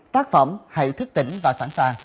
tác phẩm hãy thức tỉnh và sẵn sàng